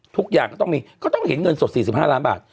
ทุกอย่างก็ต้องมีก็ต้องเห็นเงินสด๔๕ล้านบาท